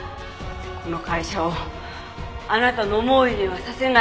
この会社をあなたの思うようにはさせない。